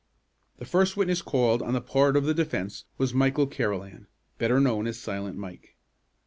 The first witness called on the part of the defence was Michael Carolan, better known as "Silent Mike."